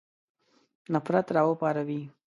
نفرت را وپاروي.